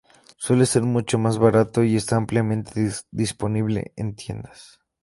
Suele ser mucho más barato y está ampliamente disponible en tiendas.